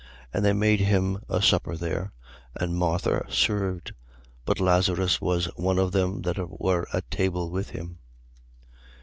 12:2. And they made him a supper there: and Martha served. But Lazarus was one of them that were at table with him.